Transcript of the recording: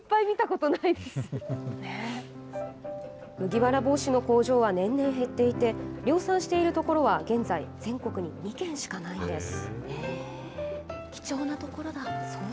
麦わら帽子の工場は年々減っていて、量産している所は現在、全国に２軒しかないんです。